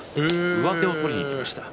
上手を取りにいきました。